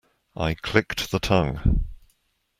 I clicked the tongue.